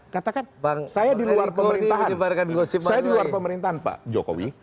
katakan saya di luar pemerintahan saya di luar pemerintahan pak jokowi